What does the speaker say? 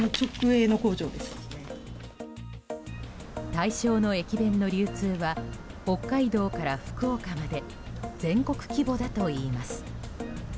対象の駅弁の流通は北海道から福岡まで全国規模だといいます。